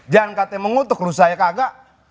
jangan katanya mengutuk rusuh aja tidak